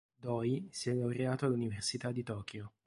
Doi si è laureato all'Università di Tokyo.